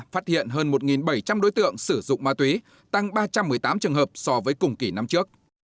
phát hiện hơn một bảy trăm linh đối tượng sử dụng ma túy tăng ba trăm một mươi tám trường hợp so với cùng kỷ năm trước